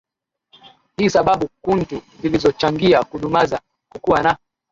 hii Sababu kuntu zilizochangia kudumaza kukua na